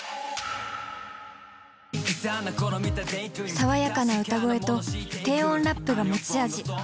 爽やかな歌声と低音ラップが持ち味。